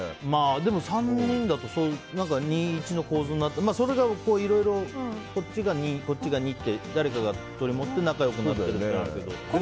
でも３人だと２と１の構図になってそれがいろいろ、こっちが２こっちが２って誰かが、取り持って仲良くなる時もあるけど。